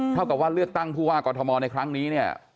เท่ากับว่าเลือกตั้งผู้ว่ากอทมในครั้งนี้เนี่ย